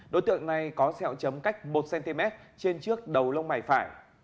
đối tượng này có sẹo chấm cách một cm trên trước đầu lông mày phải